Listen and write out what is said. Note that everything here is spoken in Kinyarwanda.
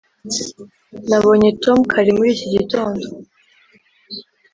nabonye tom kare muri iki gitondo.